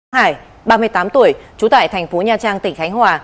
hải ba mươi tám tuổi chú tải thành phố nha trang tỉnh khánh hòa